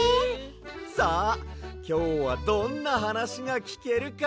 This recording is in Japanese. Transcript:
さあきょうはどんなはなしがきけるか。